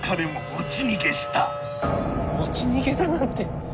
持ち逃げだなんて。